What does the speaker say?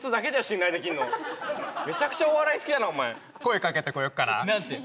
信頼できるのめちゃくちゃお笑い好きだなお前声かけてこよっかな何て？